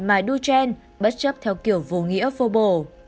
mà đu tren bất chấp theo kiểu vô nghĩa vô bổ